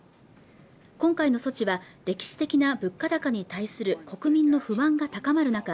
今回の措置は歴史的な物価高に対する国民の不満が高まる中